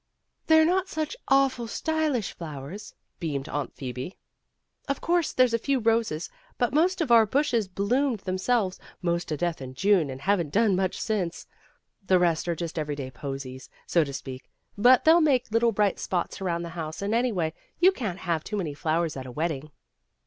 "They're not such awful stylish flowers," beamed Aunt Phoebe. "Of course there's a few roses, but most of our bushes bloomed them selves 'most to death in June and haven't done much since. The rest are just everyday posies, so to speak, but they'll make little bright spots around the house, and anyway, you can't have too many flowers a/t a wedding."